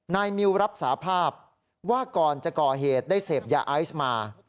มิวรับสาภาพว่าก่อนจะก่อเหตุได้เสพยาไอซ์มา